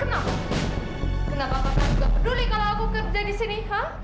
kenapa kamu gak peduli kalau aku kerja disini